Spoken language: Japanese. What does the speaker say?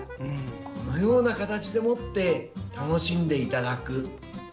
このような形でもって楽しんでいただく。